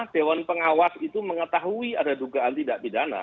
dewan pengawas itu mengetahui ada dugaan tidak pidana